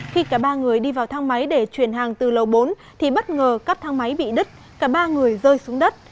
khi cả ba người đi vào thang máy để chuyển hàng từ lầu bốn thì bất ngờ các thang máy bị đứt cả ba người rơi xuống đất